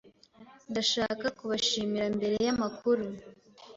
Ndashaka kubashimira mbere yamakuru.